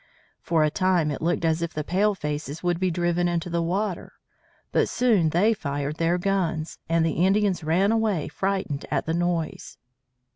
For a time it looked as if the palefaces would be driven into the water. But soon they fired their guns, and the Indians ran away frightened at the noise.